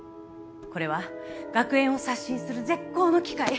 これは学園を刷新する絶好の機会。